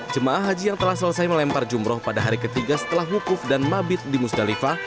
jemaah haji yang telah selesai melempar jumroh pada hari ketiga setelah wukuf dan mabit di musdalifah